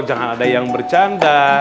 jangan ada yang bercanda